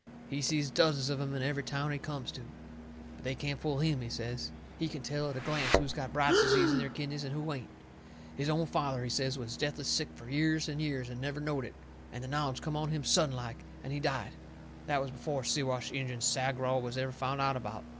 He sees dozens of 'em in every town he comes to. But they can't fool him, he says. He can tell at a glance who's got Bright's Disease in their kidneys and who ain't. His own father, he says, was deathly sick fur years and years and never knowed it, and the knowledge come on him sudden like, and he died. That was before Siwash Injun Sagraw was ever found out about.